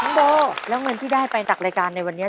โบแล้วเงินที่ได้ไปจากรายการในวันนี้